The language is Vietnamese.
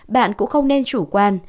bạn cũng không nên chủ quan